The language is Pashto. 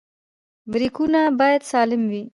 برېکونه باید سالم وي.